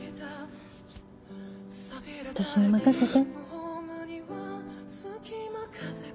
私に任せて。